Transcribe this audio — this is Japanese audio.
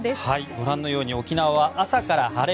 ご覧のように沖縄は朝から晴れ。